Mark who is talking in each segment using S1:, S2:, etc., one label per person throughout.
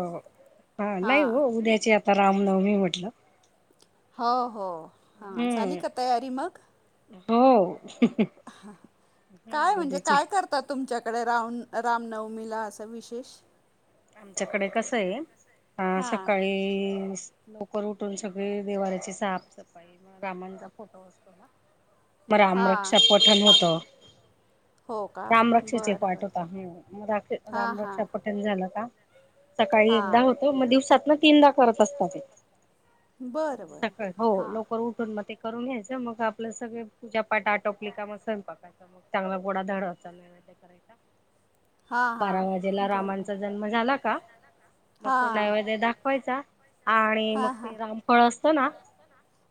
S1: हो हा नाही
S2: हां
S1: ओ उद्याची आता रामनवमी हाय म्हटलं.
S2: हो हो हा झाली
S1: हम्म
S2: का तयारी मग.
S1: हो.
S2: हा काय
S1: हम्म
S2: म्हणजे
S1: उद्याची
S2: काय करतात तुमच्याकडे राम रामनवमीला असं विशेष
S1: आमच्याकडे कसंय आ
S2: हां
S1: सकाळी लवकर उठून सगळी देणाऱ्याची साफसफाई म रामांचा फोटो असतो ना, म
S2: हां
S1: रामरक्षा पठण होतं.
S2: हो का
S1: राम रक्षेचे
S2: बरं
S1: पाठ
S2: बरं
S1: होता हू म रक्षा
S2: हां
S1: राम
S2: हां
S1: रक्षा पठण झालं का, सकाळी एकदा
S2: हां
S1: होतो, म दिवसातन तीनदा करत असतात ते.
S2: बरं बरं
S1: सकाळ, हो
S2: हां
S1: लवकर उठून म ते, करून घ्यायचं, मग आपलं सगळे पूजापाठ आटोपली का मग स्वयंपाक. चांगला गोडा धाडाचा नैवेद्य करायचा,
S2: हां
S1: बारा
S2: हां
S1: वाजेला
S2: बरं
S1: रामांचा
S2: बरं
S1: जन्म झाला का, मग तो
S2: हां
S1: नैवद्य दाखवायचा. आणि मग
S2: हां हां
S1: ते रामफळ असतं ना,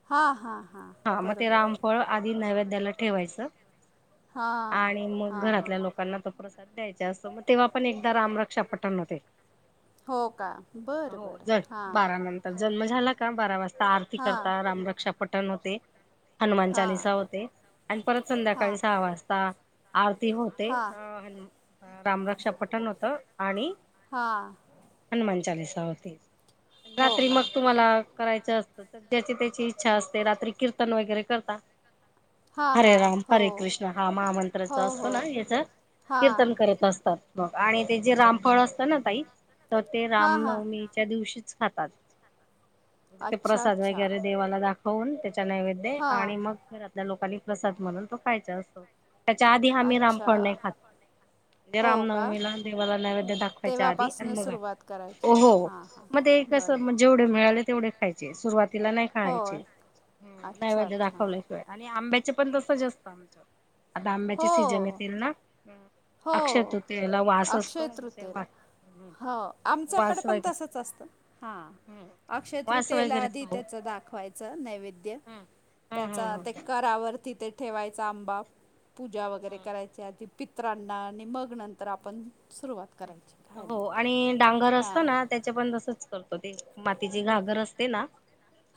S2: हां हां हां
S1: हा म ते
S2: बरोबर
S1: रामफळऽ आधी नैवेद्याला ठेवायचं,
S2: हां
S1: आणि मग
S2: हां हां
S1: घरातल्या लोक लोकांना तो प्रसाद द्यायचा असतो, म तेव्हा पण एकदा राम रक्षा पठण होतय.
S2: हो का. बरं
S1: हो,
S2: बरं
S1: जर
S2: हां
S1: बारा नंतर जन्म झाला का, बारा वाजता आरती
S2: हां
S1: करता राम रक्षा पठण होते हनुमान
S2: हां
S1: चालीसा होते, आणि परत
S2: हां
S1: संध्याकाळी सहा वाजता, आरती होते,
S2: हां हां
S1: अन रामरक्षा पठण होतं. आणि
S2: हां
S1: हनुमान चालीसा होते,
S2: हो
S1: रात्री
S2: का
S1: मग तुम्हाला करायचं असतं, तर ज्याची त्याची इच्छा असते, रात्री कीर्तन वगैरे करता.
S2: हां
S1: हरे
S2: हां
S1: राम
S2: हो
S1: हरे कृष्ण हा महामंत्र
S2: हो
S1: चा असतो
S2: हो
S1: ना, याच.
S2: हां
S1: कीर्तन करत असतात, आणि ते जे रामफळ असतं ना ताई, तर ते
S2: हां हां
S1: रामनवमी त्या दिवशीच खातात, ते
S2: अच्छा
S1: प्रसाद
S2: अच्छा
S1: वगैरे देवाला दाख ऊन त्याचा नैवेद्य, आणि
S2: हां
S1: मग घरातल्या लोकांनी प्रसाद म्हणून तो खायचा असतो. त्याच्या आधी आम्ही
S2: अच्छा
S1: रामफळ नाही खात, म्हणजे
S2: हो का
S1: रामनवमीला देवाला नैवेद्य दाखवायच्या आधी, आणि
S2: तेव्हापासनं
S1: मग,
S2: सुरुवात करायची
S1: हो
S2: हां हां
S1: मग ते
S2: बरं
S1: कसं
S2: बरं
S1: जेवढे मिळाले तेवढे, खायचे, सुरुवातीला नाही
S2: हो
S1: खायचे,
S2: अच्छा
S1: नैवेद
S2: अच्छा
S1: दाखवले आणि आंब्याचे पण तसंच असतं आमचं, आता आंब्याचे सीजन
S2: हो
S1: येतील ना.
S2: हो
S1: अक्षयतृतियेला वास
S2: अक्षय
S1: असतो म
S2: तृतीयेला
S1: तेव्हा
S2: हो आमच्याकडे पण तसंच असतं हा
S1: हम्म
S2: अक्षय
S1: वास
S2: तृतीयेला
S1: वगैरे
S2: आधी
S1: खाऊ
S2: त्याच दाखवायचं नैवेद्य
S1: हम्म
S2: त्याचा
S1: हम्म
S2: ते घरावरती ते ठेवायचा आंबा पूजा वगैरे
S1: हम्म
S2: करायची आधी पितरांना आणि मग नंतर आपण सुरुवात करायची.
S1: हो
S2: खायला
S1: आणि डांगर असत
S2: हां
S1: ना त्याचे पण तसच करतो ते मातीची घागर असते ना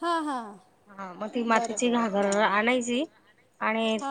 S2: हां हां
S1: हा मग ती
S2: बरं
S1: मातीची
S2: बरं
S1: घागर
S2: हां
S1: आणायची आणि
S2: हा